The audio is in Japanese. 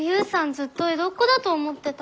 ずっと江戸っ子だと思ってた。